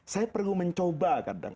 saya perlu mencoba kadang